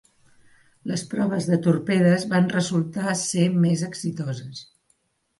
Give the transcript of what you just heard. Les proves de torpedes van resultar ser més exitoses.